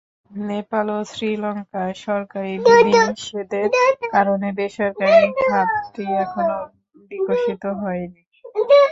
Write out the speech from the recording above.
নেপাল ও শ্রীলঙ্কায় সরকারি বিধিনিষেধের কারণে বেসরকারি খাতটি এখনো বিকশিত হয়নি।